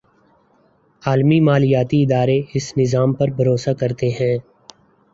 عالمی مالیاتی ادارے اس نظام پر بھروسہ کرتے ہیں۔